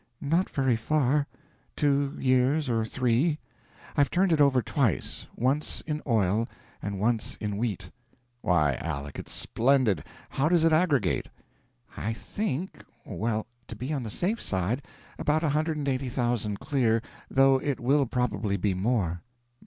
"Not very far two years or three. I've turned it over twice; once in oil and once in wheat." "Why, Aleck, it's splendid! How does it aggregate?" "I think well, to be on the safe side, about a hundred and eighty thousand clear, though it will probably be more."